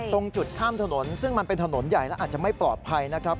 ตรงจุดข้ามถนนซึ่งมันเป็นถนนใหญ่แล้วอาจจะไม่ปลอดภัยนะครับ